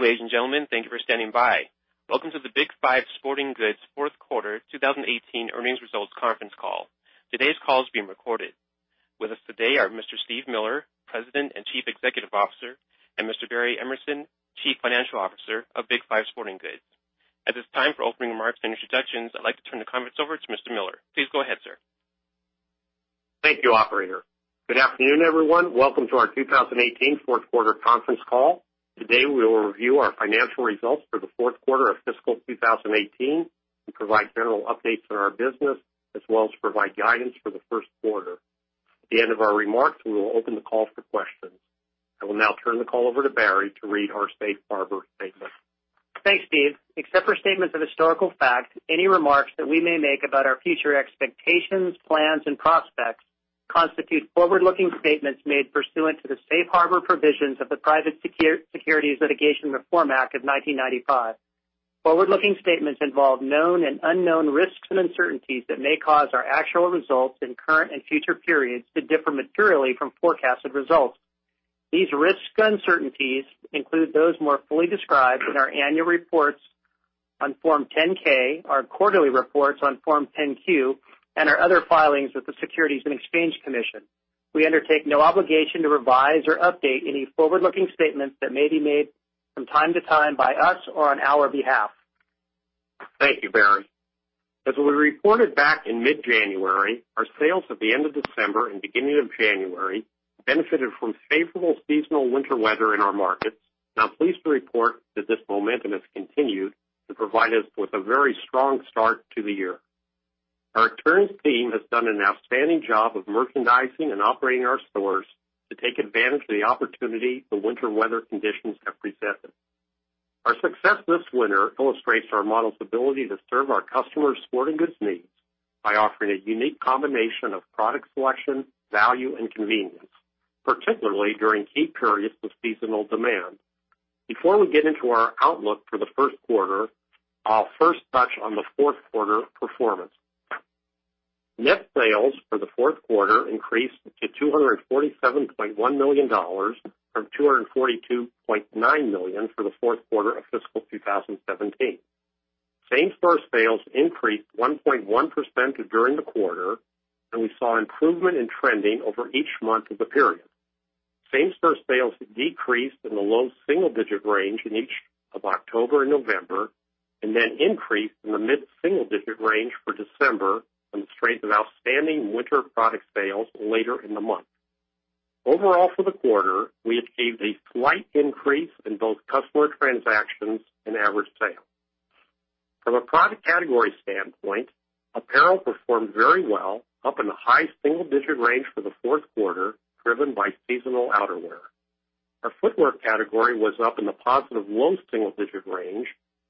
Good day, ladies and gentlemen. Thank you for standing by. Welcome to the Big 5 Sporting Goods Fourth Quarter 2018 Earnings Results conference call. Today's call is being recorded. With us today are Mr. Steve Miller, President and Chief Executive Officer, and Mr. Barry Emerson, Chief Financial Officer of Big 5 Sporting Goods. As it's time for opening remarks and introductions, I'd like to turn the conference over to Mr. Miller. Please go ahead, sir. Thank you, operator. Good afternoon, everyone. Welcome to our 2018 fourth quarter conference call. Today, we will review our financial results for the fourth quarter of fiscal 2018 and provide general updates on our business, as well as provide guidance for the first quarter. At the end of our remarks, we will open the call for questions. I will now turn the call over to Barry to read our safe harbor statement. Thanks, Steve. Except for statements of historical fact, any remarks that we may make about our future expectations, plans, and prospects constitute forward-looking statements made pursuant to the safe harbor provisions of the Private Securities Litigation Reform Act of 1995. Forward-looking statements involve known and unknown risks and uncertainties that may cause our actual results in current and future periods to differ materially from forecasted results. These risks and uncertainties include those more fully described in our annual reports on Form 10-K, our quarterly reports on Form 10-Q, and our other filings with the Securities and Exchange Commission. We undertake no obligation to revise or update any forward-looking statements that may be made from time to time by us or on our behalf. Thank you, Barry. As we reported back in mid-January, our sales at the end of December and beginning of January benefited from favorable seasonal winter weather in our markets, and I'm pleased to report that this momentum has continued to provide us with a very strong start to the year. Our associates' team has done an outstanding job of merchandising and operating our stores to take advantage of the opportunity the winter weather conditions have presented. Our success this winter illustrates our model's ability to serve our customers' sporting goods needs by offering a unique combination of product selection, value, and convenience, particularly during key periods of seasonal demand. Before we get into our outlook for the first quarter, I'll first touch on the fourth quarter performance. Net sales for the fourth quarter increased to $247.1 million from $242.9 million for the fourth quarter of fiscal 2017. Same-store sales increased 1.1% during the quarter, we saw improvement in trending over each month of the period. Same-store sales decreased in the low single-digit range in each of October and November, then increased in the mid-single digit range for December on the strength of outstanding winter product sales later in the month. Overall for the quarter, we achieved a slight increase in both customer transactions and average sales. From a product category standpoint, apparel performed very well, up in the high single-digit range for the fourth quarter, driven by seasonal outerwear. Our footwear category was up in the positive low single-digit range,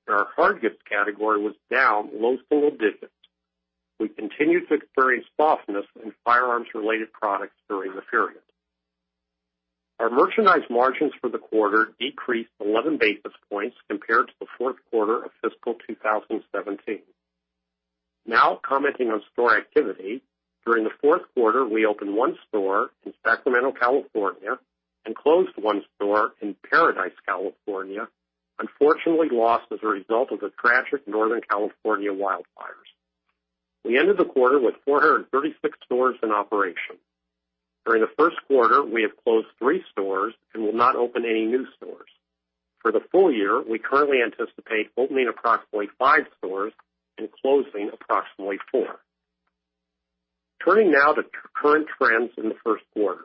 and our hard goods category was down low single digits. We continued to experience softness in firearms-related products during the period. Our merchandise margins for the quarter decreased 11 basis points compared to the fourth quarter of fiscal 2017. Now, commenting on store activity. During the fourth quarter, we opened one store in Sacramento, California, and closed one store in Paradise, California, unfortunately lost as a result of the tragic northern California wildfires. We ended the quarter with 436 stores in operation. During the first quarter, we have closed three stores and will not open any new stores. For the full year, we currently anticipate opening approximately five stores and closing approximately four. Turning to current trends in the first quarter.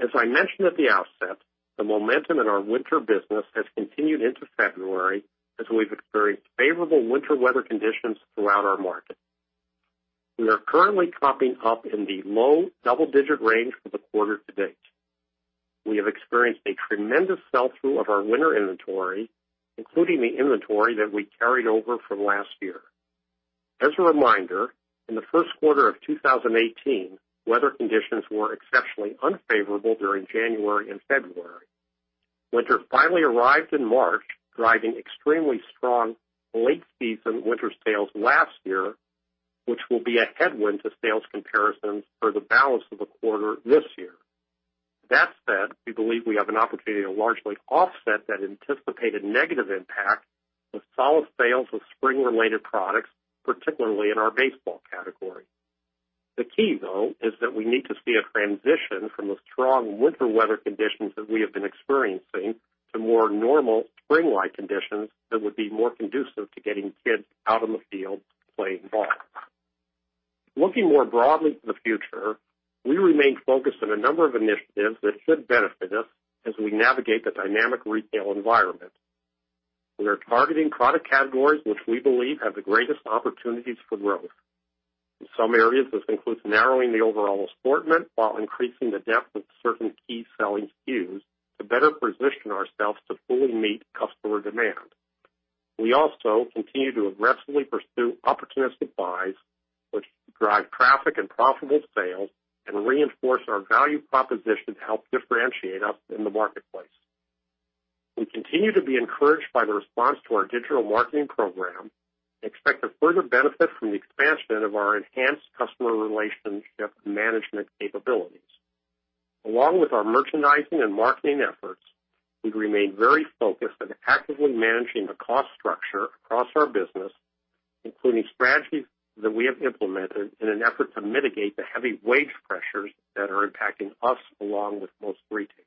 As I mentioned at the outset, the momentum in our winter business has continued into February as we've experienced favorable winter weather conditions throughout our market. We are currently comping up in the low double-digit range for the quarter to date. We have experienced a tremendous sell-through of our winter inventory, including the inventory that we carried over from last year. As a reminder, in the first quarter of 2018, weather conditions were exceptionally unfavorable during January and February. Winter finally arrived in March, driving extremely strong late season winter sales last year, which will be a headwind to sales comparisons for the balance of the quarter this year. That said, we believe we have an opportunity to largely offset that anticipated negative impact with solid sales of spring-related products, particularly in our baseball category. The key, though, is that we need to see a transition from the strong winter weather conditions that we have been experiencing to more normal spring-like conditions that would be more conducive to getting kids out on the field playing ball. Looking more broadly to the future, we remain focused on a number of initiatives that should benefit us as we navigate the dynamic retail environment. We are targeting product categories which we believe have the greatest opportunities for growth. In some areas, this includes narrowing the overall assortment while increasing the depth of certain key selling SKUs to better position ourselves to fully meet customer demand. We also continue to aggressively pursue opportunistic buys which drive traffic and profitable sales and reinforce our value proposition to help differentiate us in the marketplace. We continue to be encouraged by the response to our digital marketing program and expect to further benefit from the expansion of our enhanced Customer Relationship Management capabilities. Along with our merchandising and marketing efforts, we've remained very focused on actively managing the cost structure across our business, including strategies that we have implemented in an effort to mitigate the heavy wage pressures that are impacting us along with most retailers.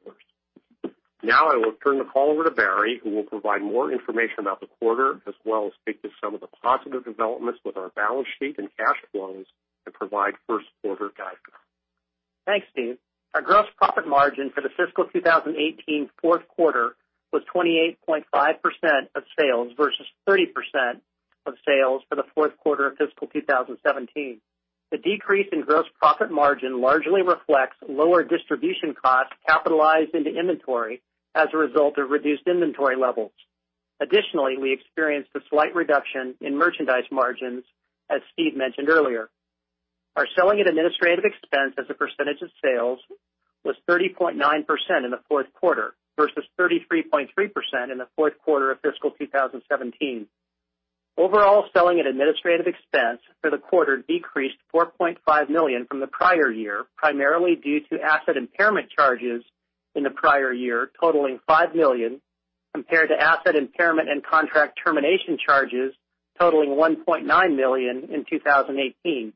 Now I will turn the call over to Barry, who will provide more information about the quarter as well as speak to some of the positive developments with our balance sheet and cash flows and provide first quarter guidance. Thanks, Steve. Our gross profit margin for the fiscal 2018 fourth quarter was 28.5% of sales versus 30% of sales for the fourth quarter of fiscal 2017. The decrease in gross profit margin largely reflects lower distribution costs capitalized into inventory as a result of reduced inventory levels. Additionally, we experienced a slight reduction in merchandise margins, as Steve mentioned earlier. Our selling and administrative expense as a percentage of sales was 30.9% in the fourth quarter versus 33.3% in the fourth quarter of fiscal 2017. Overall selling and administrative expense for the quarter decreased $4.5 million from the prior year, primarily due to asset impairment charges in the prior year totaling $5 million, compared to asset impairment and contract termination charges totaling $1.9 million in 2018.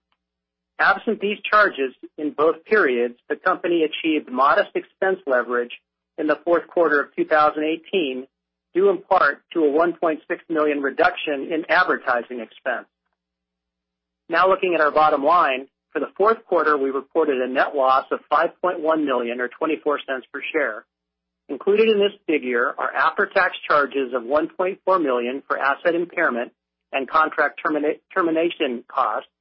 Absent these charges in both periods, the company achieved modest expense leverage in the fourth quarter of 2018, due in part to a $1.6 million reduction in advertising expense. Now looking at our bottom line. For the fourth quarter, we reported a net loss of $5.1 million or $0.24 per share. Included in this figure are after-tax charges of $1.4 million for asset impairment and contract termination costs,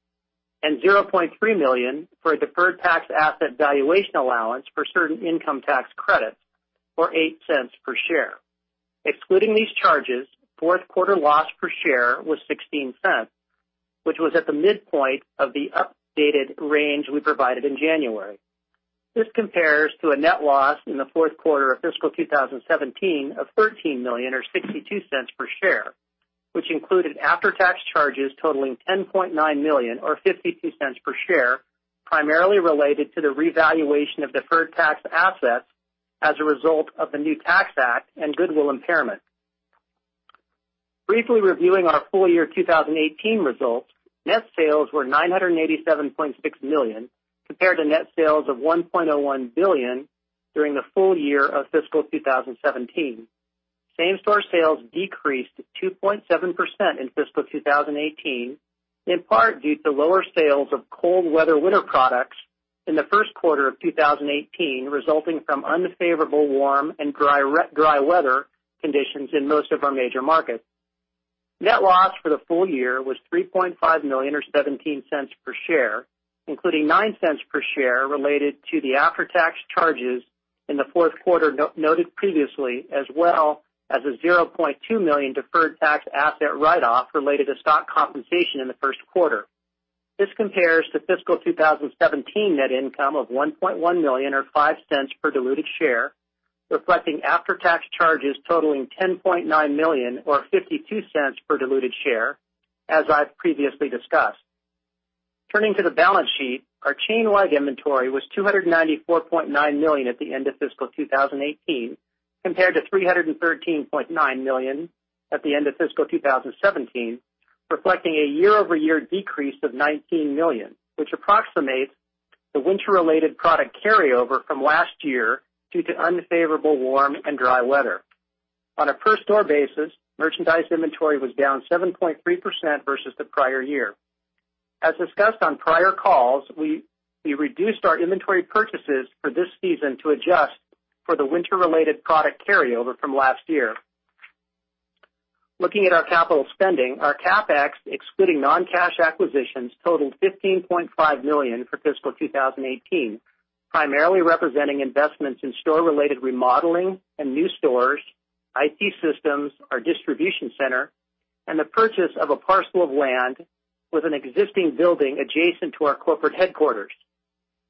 and $0.3 million for a deferred tax asset valuation allowance for certain income tax credits, or $0.08 per share. Excluding these charges, fourth quarter loss per share was $0.16, which was at the midpoint of the updated range we provided in January. This compares to a net loss in the fourth quarter of fiscal 2017 of $13 million or $0.62 per share, which included after-tax charges totaling $10.9 million or $0.52 per share, primarily related to the revaluation of deferred tax assets as a result of the new tax act and goodwill impairment. Briefly reviewing our full year 2018 results, net sales were $987.6 million, compared to net sales of $1.01 billion during the full year of fiscal 2017. Same-store sales decreased 2.7% in fiscal 2018, in part due to lower sales of cold weather winter products in the first quarter of 2018, resulting from unfavorable warm and dry weather conditions in most of our major markets. Net loss for the full year was $3.5 million or $0.17 per share, including $0.09 per share related to the after-tax charges in the fourth quarter noted previously, as well as a $0.2 million deferred tax asset write-off related to stock compensation in the first quarter. This compares to fiscal 2017 net income of $1.1 million or $0.05 per diluted share, reflecting after-tax charges totaling $10.9 million or $0.52 per diluted share, as I've previously discussed. Turning to the balance sheet, our chain-wide inventory was $294.9 million at the end of fiscal 2018, compared to $313.9 million at the end of fiscal 2017, reflecting a year-over-year decrease of $19 million, which approximates the winter-related product carryover from last year due to unfavorable warm and dry weather. On a per store basis, merchandise inventory was down 7.3% versus the prior year. As discussed on prior calls, we reduced our inventory purchases for this season to adjust for the winter-related product carryover from last year. Looking at our capital spending, our CapEx, excluding non-cash acquisitions, totaled $15.5 million for fiscal 2018, primarily representing investments in store-related remodeling and new stores, IT systems, our distribution center, and the purchase of a parcel of land with an existing building adjacent to our corporate headquarters.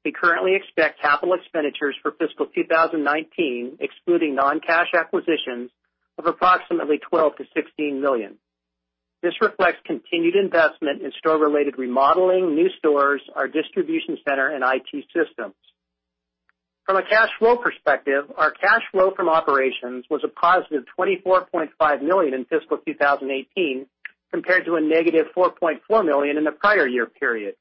We currently expect capital expenditures for fiscal 2019, excluding non-cash acquisitions, of approximately $12 million-$16 million. This reflects continued investment in store-related remodeling, new stores, our distribution center and IT systems. From a cash flow perspective, our cash flow from operations was a positive $24.5 million in fiscal 2018, compared to a negative $4.4 million in the prior year period.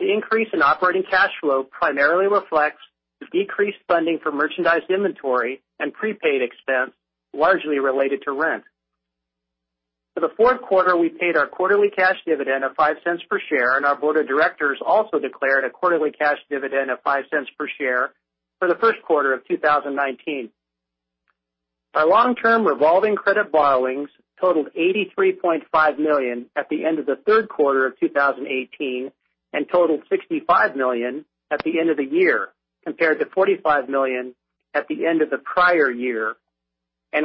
The increase in operating cash flow primarily reflects the decreased funding for merchandise inventory and prepaid expense largely related to rent. For the fourth quarter, we paid our quarterly cash dividend of $0.05 per share, and our board of directors also declared a quarterly cash dividend of $0.05 per share for the first quarter of 2019. Our long-term revolving credit borrowings totaled $83.5 million at the end of the third quarter of 2018 and totaled $65 million at the end of the year, compared to $45 million at the end of the prior year.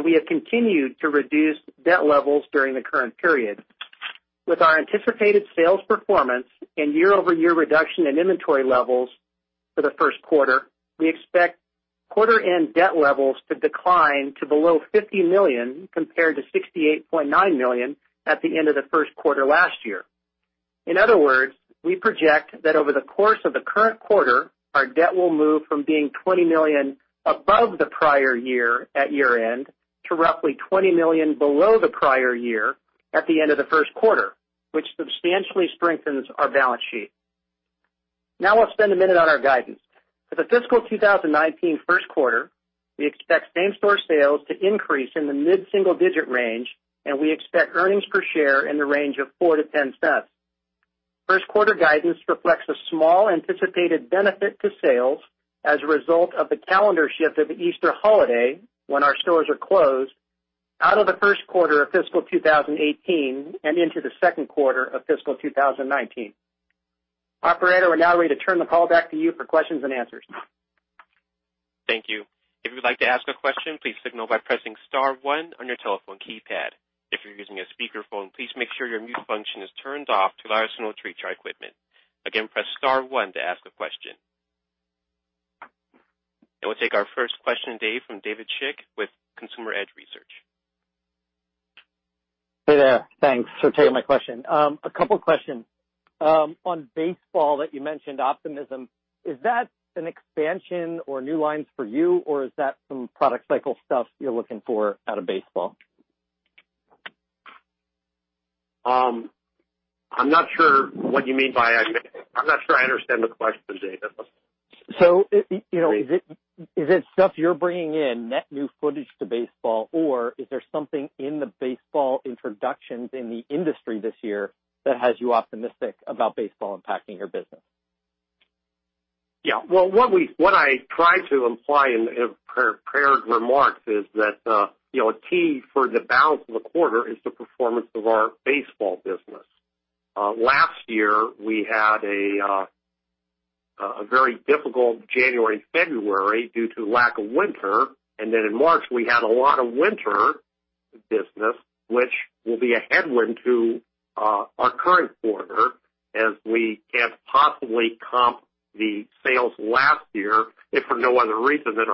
We have continued to reduce debt levels during the current period. With our anticipated sales performance and year-over-year reduction in inventory levels for the first quarter, we expect quarter-end debt levels to decline to below $50 million, compared to $68.9 million at the end of the first quarter last year. In other words, we project that over the course of the current quarter, our debt will move from being $20 million above the prior year at year-end to roughly $20 million below the prior year at the end of the first quarter, which substantially strengthens our balance sheet. Now, I'll spend a minute on our guidance. For the fiscal 2019 first quarter, we expect same-store sales to increase in the mid-single digit range, and we expect earnings per share in the range of $0.04-$0.10. First quarter guidance reflects a small anticipated benefit to sales as a result of the calendar shift of the Easter holiday, when our stores are closed, out of the first quarter of fiscal 2018 and into the second quarter of fiscal 2019. Operator, we're now ready to turn the call back to you for questions and answers. Thank you. If you'd like to ask a question, please signal by pressing star one on your telephone keypad. If you're using a speakerphone, please make sure your mute function is turned off to allow us to monitor our equipment. Again, press star one to ask a question. We'll take our first question, Dave, from David Schick with Consumer Edge Research. Hey there. Thanks for taking my question. A couple questions. On baseball that you mentioned optimism, is that an expansion or new lines for you, or is that some product cycle stuff you're looking for out of baseball? I'm not sure I understand the question, David. Is it stuff you're bringing in, net new footage to baseball, or is there something in the baseball introductions in the industry this year that has you optimistic about baseball impacting your business? Yeah. Well, what I tried to imply in prepared remarks is that a key for the balance of the quarter is the performance of our baseball business. Last year, we had a very difficult January and February due to lack of winter, and then in March, we had a lot of winter business, which will be a headwind to our current quarter as we can't possibly comp the sales last year, if for no other reason than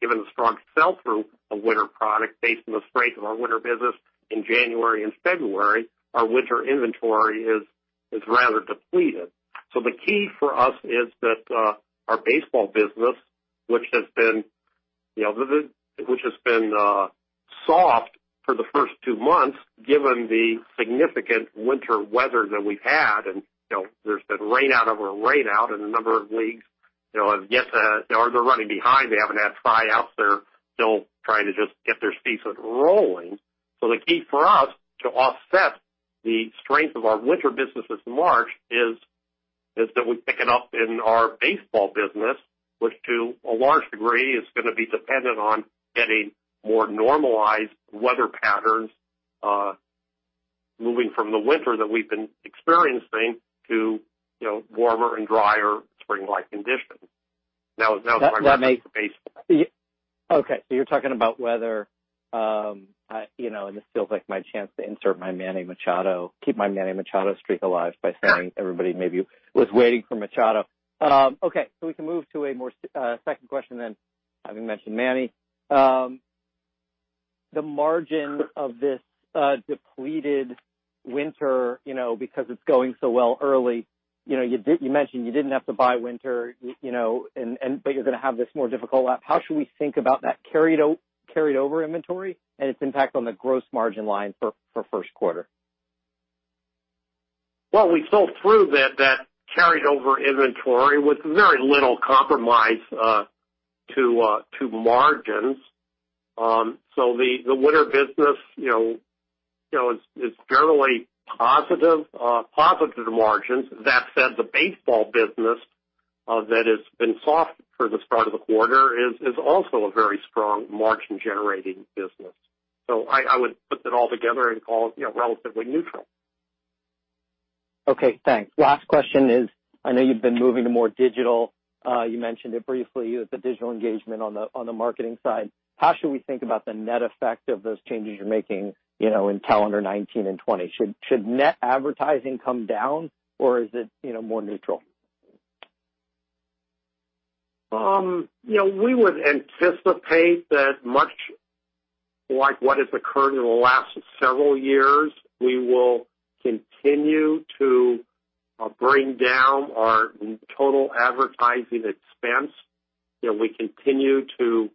given the strong sell-through of winter product based on the strength of our winter business in January and February, our winter inventory is rather depleted. The key for us is that our baseball business, which has been soft for the first two months, given the significant winter weather that we've had, and there's been rainout over rainout in a number of leagues. They're running behind. They haven't had tryouts. They're still trying to just get their season rolling. The key for us to offset the strength of our winter business this March is that we pick it up in our baseball business, which to a large degree is going to be dependent on getting more normalized weather patterns, moving from the winter that we've been experiencing to warmer and drier spring-like conditions. Now is my That makes response to baseball. Okay, you're talking about weather. This feels like my chance to insert my Manny Machado, keep my Manny Machado streak alive by saying everybody maybe was waiting for Machado. Okay, we can move to a more second question, having mentioned Manny. The margin of this depleted winter, because it's going so well early. You mentioned you didn't have to buy winter, you're going to have this more difficult lap. How should we think about that carried over inventory and its impact on the gross margin line for first quarter? Well, we sold through that carried over inventory with very little compromise to margins. The winter business, it's generally positive margins. That said, the baseball business that has been soft for the start of the quarter is also a very strong margin-generating business. I would put that all together and call it relatively neutral. Okay, thanks. Last question is, I know you've been moving to more digital. You mentioned it briefly, the digital engagement on the marketing side. How should we think about the net effect of those changes you're making in calendar 2019 and 2020? Should net advertising come down, or is it more neutral? We would anticipate that much like what has occurred in the last several years, we will continue to bring down our total advertising expense. We continue to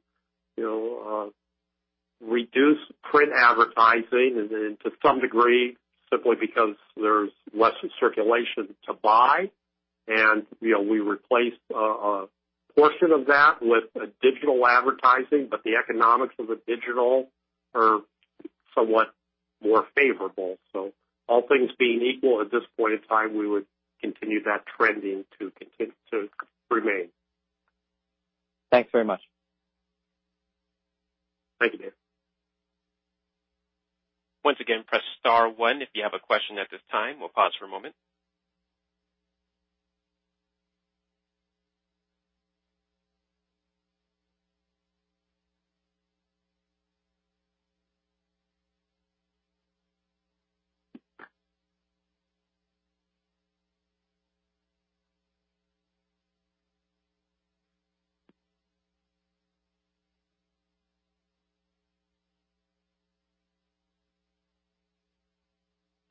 reduce print advertising, and to some degree, simply because there's less circulation to buy. We replace a portion of that with digital advertising, but the economics of the digital are somewhat more favorable. All things being equal at this point in time, we would continue that trending to remain. Thanks very much. Thank you, David. Once again, press star one if you have a question at this time. We'll pause for a moment.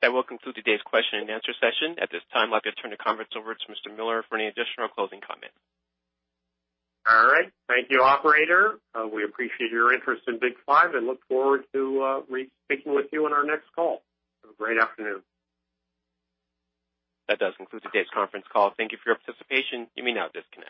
That will conclude today's question and answer session. At this time, I'd like to turn the conference over to Mr. Miller for any additional closing comments. All right. Thank you, operator. We appreciate your interest in Big 5 and look forward to speaking with you on our next call. Have a great afternoon. That does conclude today's conference call. Thank you for your participation. You may now disconnect.